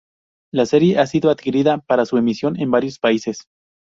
La serie ha sido adquirida para su emisión en varios países.